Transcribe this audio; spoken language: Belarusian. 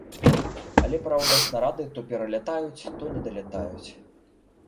Але, праўда, снарады то пералятаюць, то не далятаюць.